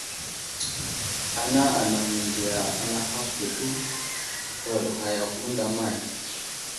Ana anaŋ məndiya anahakw dəɗu, huraɗ ghay yakw mənday əmay !